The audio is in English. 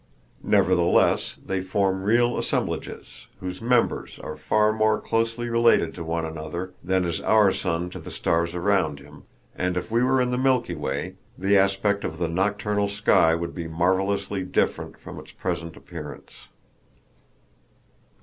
Nevertheless they form real assemblages, whose members are far more closely related to one another than is our sun to the stars around him, and if we were in the Milky Way the aspect of the nocturnal sky would be marvelously different from its present appearance.